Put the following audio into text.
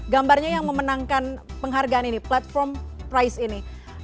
gambarnya yang memenangkan penghargaan ini platform price ini